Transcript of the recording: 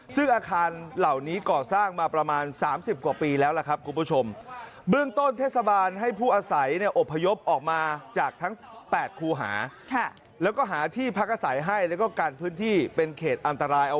ซึ่งอาคารเหล่านี้ก่อสร้างมาประมาณ๓๐กว่าปีแล้วล่ะครับคุณผู้ชม